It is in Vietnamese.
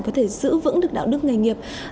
có thể giữ vững được đạo đức nghề nghiệp